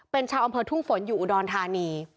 เป็นชาวอำเภอทุ่งฝนอยู่อุดรธานี